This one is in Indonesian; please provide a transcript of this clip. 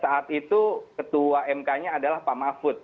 saat itu ketua mk nya adalah pak mahfud